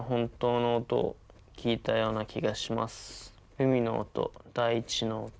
海の音大地の音